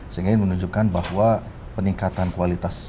sehingga ini menunjukkan bahwa peningkatan kualitas